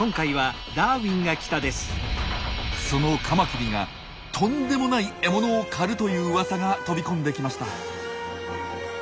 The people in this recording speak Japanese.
そのカマキリがとんでもない獲物を狩るといううわさが飛び込んできました。